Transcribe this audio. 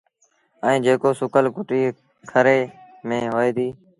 ائيٚݩ جيڪو سُڪل ڪُٽيٚ کري ميݩ هوئي ديٚ۔